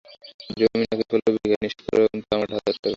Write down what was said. জমি নাকি ষোল বিঘা নিষ্কর এবং দাম আট-দশ হাজারের কম।